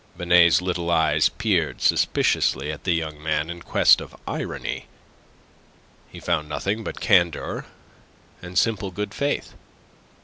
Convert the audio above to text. Binet's little eyes peered suspiciously at the young man, in quest of irony. He found nothing but candour and simple good faith.